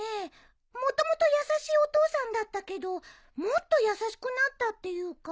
もともと優しいお父さんだったけどもっと優しくなったっていうか。